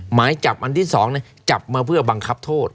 หมายจับอันที่๒จับมาเพื่อบังคับโทษ